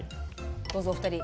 どうぞお二人。